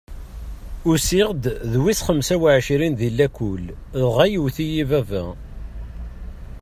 Usiɣ-d d wis xemsa u ɛecrin di lakul dɣa yewwet-iyi baba.